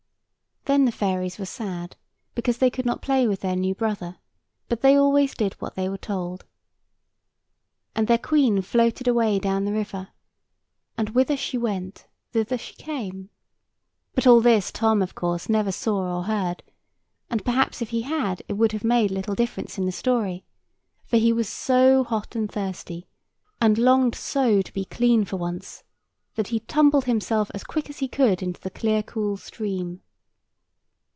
Then the fairies were sad, because they could not play with their new brother, but they always did what they were told. And their Queen floated away down the river; and whither she went, thither she came. But all this Tom, of course, never saw or heard: and perhaps if he had it would have made little difference in the story; for was so hot and thirsty, and longed so to be clean for once, that he tumbled himself as quick as he could into the clear cool stream.